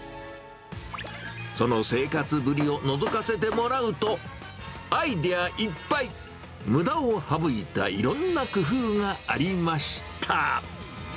その生活ぶりをのぞかせてもらうと、アイデアいっぱい、むだを省いたいろんな工夫がありました。